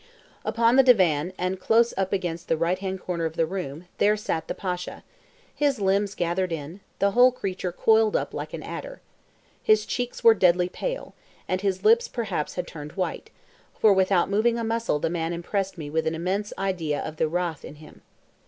Upon the divan, and close up against the right hand corner of the room, there sat the Pasha, his limbs gathered in, the whole creature coiled up like an adder. His cheeks were deadly pale, and his lips perhaps had turned white, for without moving a muscle the man impressed me with an immense idea of the wrath within him.